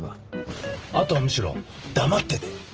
あとはむしろ黙ってて。